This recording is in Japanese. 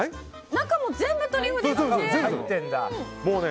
中も全部、トリュフですね。